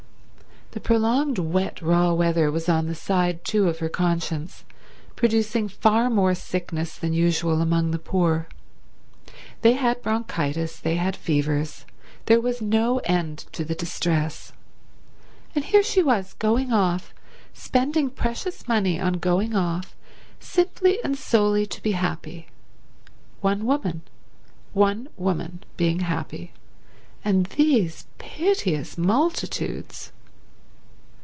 The prolonged wet, raw weather was on the side too of her conscience, producing far more sickness than usual among the poor. They had bronchitis; they had fevers; there was no end to the distress. And here she was going off, spending precious money on going off, simply and solely to be happy. One woman. One woman being happy, and these piteous multitudes